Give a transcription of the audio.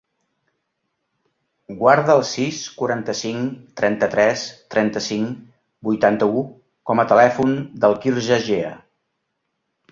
Guarda el sis, quaranta-cinc, trenta-tres, trenta-cinc, vuitanta-u com a telèfon del Quirze Gea.